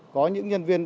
có những nhân viên